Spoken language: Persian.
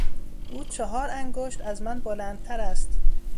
او چهار انگشت از من بلندتر است.